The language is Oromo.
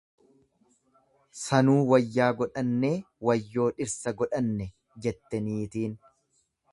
"""Sanuu wayyaa godhannee, wayyoo dhirsa godhanne"" jette niitiin."